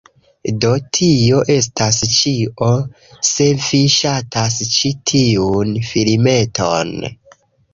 Do, tio estas ĉio se vi ŝatas ĉi tiun filmeton